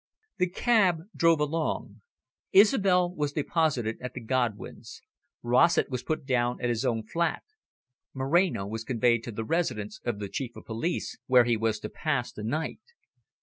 The cab drove along. Isobel was deposited at the Godwins'. Rossett was put down at his own flat. Moreno was conveyed to the residence of the Chief of Police, where he was to pass the night.